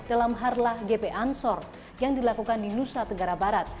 dalam harlah gp ansor yang dilakukan di nusa tenggara barat